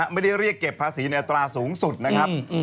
ไม่ได้เรียกเก็บภาษีในอัตราสูงสุดนะครับ